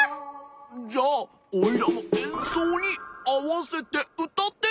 じゃオイラのえんそうにあわせてうたって！